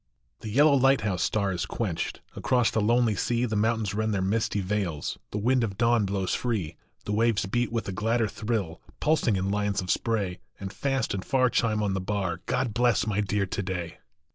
HE yellow lighthouse star is quenched Across the lonely sea ; The mountains rend their misty veils, The wind of dawn blows free ; The waves beat with a gladder thrill, Pulsing in lines of spray, And fast and far chime on the bar God bless my Dear to day